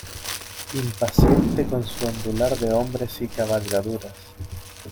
impaciente con su ondular de hombres y cabalgaduras.